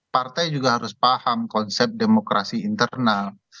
partai juga harus paham konsep demokrasi internal